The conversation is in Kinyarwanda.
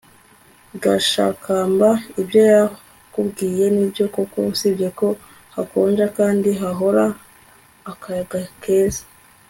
gashakamba ibyo yakubwiye nibyo koko, usibye ko hakonja kandi hahora akayaga keza